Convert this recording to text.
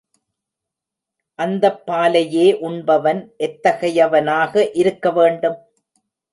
அந்தப் பாலையே உண்பவன் எத்தகையவனாக இருக்க வேண்டும்?